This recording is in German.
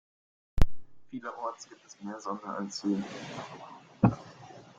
Vielerorts gibt es mehr Sonne als hier.